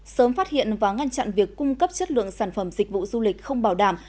sớm phát hiện và ngăn chặn việc cung cấp chất lượng sản phẩm dịch vụ du lịch không bảo đảm